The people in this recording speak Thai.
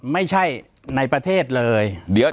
ไม่ใช่ในประเทศเลย